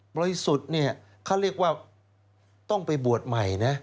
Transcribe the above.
ริสุทธิ์เนี่ยเขาเรียกว่าต้องไปบวชใหม่นะ